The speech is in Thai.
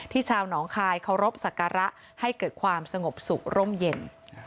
ที่ชาวหนองคายเคารพศักระให้เกิดความสงบศุกร์ร่มเย็น